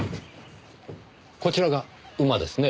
こちらが馬ですね。